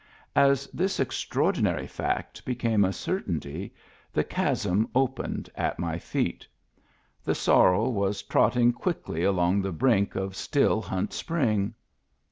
As this extraordinary fact became a certainty the chasm opened at my feet ; the sorrel was trot ting quickly along the brink of Still Hunt Spring